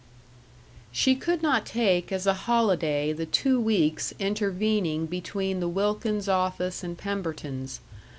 § 2 She could not take as a holiday the two weeks intervening between the Wilkins office and Pemberton's.